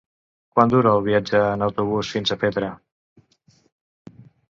Quant dura el viatge en autobús fins a Petra?